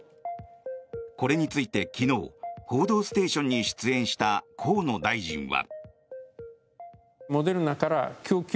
これについて昨日「報道ステーション」に出演した河野大臣は。